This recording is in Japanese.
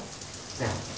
ねえ？